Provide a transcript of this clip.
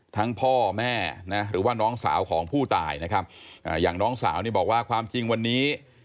พ่อแม่นะหรือว่าน้องสาวของผู้ตายนะครับอย่างน้องสาวนี่บอกว่าความจริงวันนี้